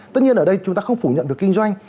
tất nhiên ở đây chúng ta không phủ nhận được kinh doanh